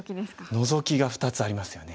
ノゾキが２つありますよね。